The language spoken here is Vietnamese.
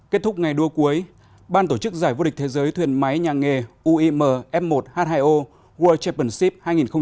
kết thúc ngày đua cuối ban tổ chức giải vô địch thế giới thuyền máy nhà nghề uim f một h hai o world championship hai nghìn hai mươi bốn